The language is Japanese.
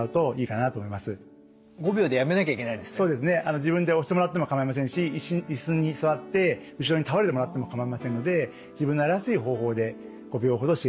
自分で押してもらっても構いませんしイスに座って後ろに倒れてもらっても構いませんので自分のやりやすい方法で５秒ほど刺激してみてください。